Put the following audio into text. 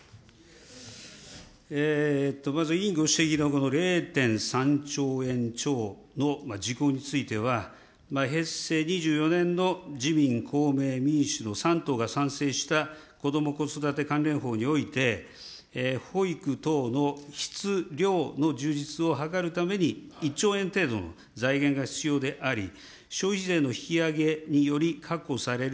まず委員ご指摘のこの０．３兆円超の事項については、平成２４年の自民、公明、民主の三党が賛成したこども・子育て関連法において、保育等の質、量の充実を図るために１兆円程度の財源が必要であり、消費税の引き上げにより確保される